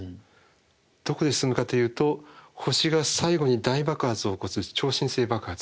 どこで進むかというと星が最後に大爆発を起こす超新星爆発。